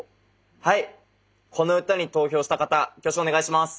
はいこの歌に投票した方挙手お願いします。